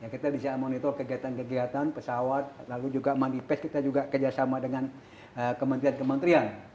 kita bisa monitor kegiatan kegiatan pesawat lalu juga manifest kita juga kerjasama dengan kementerian kementerian